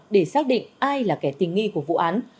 để xác định ai là kẻ tình nghi của vụ án